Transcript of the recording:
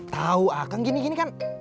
tau akang gini gini kan